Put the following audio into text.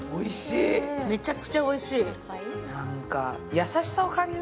めちゃくちゃおいしい。